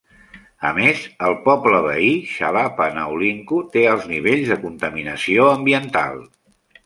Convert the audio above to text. A més, el poble veí Xalapa Naolinco té alts nivells de contaminació ambiental.